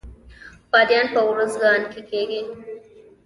بادیان په ارزګان کې کیږي